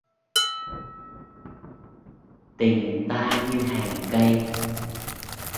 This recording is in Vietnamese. Tình ta như hàng cây